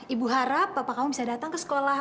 ibu harap bapak kamu bisa datang ke sekolah